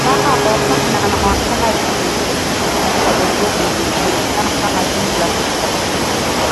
ambao kabla na wakati wa kipindi cha Uhuru ulijulikana kama Jimbo la Kaskazini